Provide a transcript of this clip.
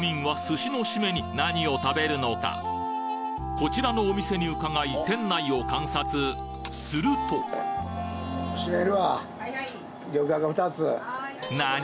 こちらのお店に伺い店内を観察するとなに？